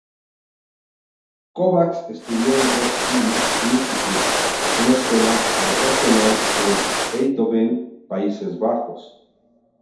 Kovacs estudió en Rock City Institute, una escuela vocacional en Eindhoven, Países Bajos.